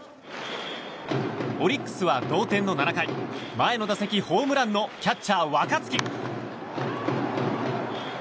オリックスは同点の７回前の打席ホームランのキャッチャー、若月。